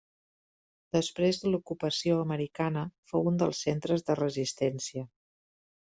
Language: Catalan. Després de l'ocupació americana fou un dels centres de resistència.